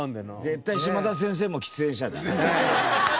絶対島田先生も喫煙者だな。